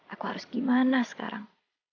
aku harus gimana sekarang